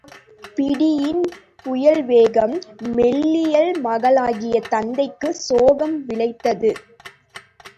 பிடியின் புயல்வேகம் மெல்லியல் மகளாகிய தத்தைக்குச் சோகம் விளைத்தது.